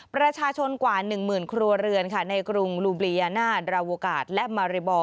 ประชาชนกว่า๑หมื่นครัวเรือนในกรุงลูบลียาน่าดราโวกาศและมาริบอล